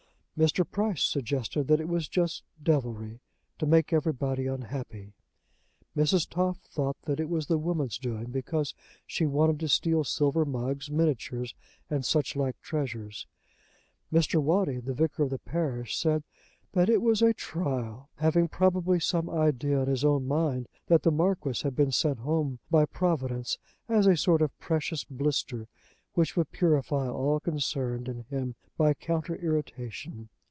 Mr. Price suggested that it was just devilry, to make everybody unhappy. Mrs. Toff thought that it was the woman's doing, because she wanted to steal silver mugs, miniatures, and such like treasures. Mr. Waddy, the vicar of the parish, said that it was "a trial," having probably some idea in his own mind that the Marquis had been sent home by Providence as a sort of precious blister which would purify all concerned in him by counter irritation.